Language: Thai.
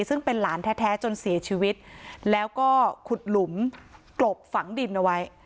ซึ่งเป็นหลานแท้จนเสียชีวิตแล้วก็ขุดหลุมกลบฝังดินเอาไว้